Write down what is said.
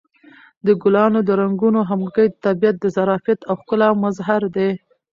د ګلانو د رنګونو همغږي د طبیعت د ظرافت او ښکلا مظهر دی.